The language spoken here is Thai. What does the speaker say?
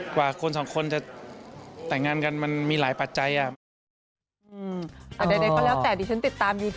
กว่าคนสองคนจะแต่งงานกันมันมีหลายปัจจัยอ่ะ